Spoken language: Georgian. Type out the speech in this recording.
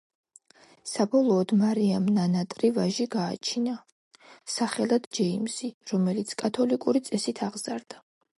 საბოლოოდ მარიამ ნანატრი ვაჟი გააჩინა, სახელად ჯეიმზი, რომელიც კათოლიკური წესით აღზარდა.